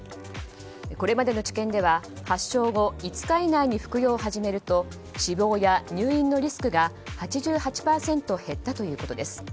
これまでの治験では発症後５日以内に服用を始めると死亡や入院のリスクが８８％減ったということです。